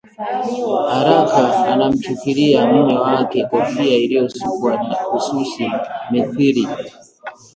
haraka anamchukulia mme wake kofia iliyosukwa na ususi mithili